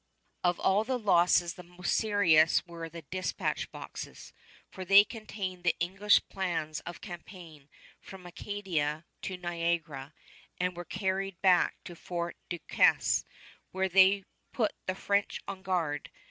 [Illustration: PLAN OF FORT BEAUSÉJOUR] Of all the losses the most serious were the dispatch boxes; for they contained the English plans of campaign from Acadia to Niagara, and were carried back to Fort Duquesne, where they put the French on guard.